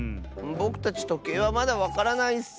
ぼくたちとけいはまだわからないッス！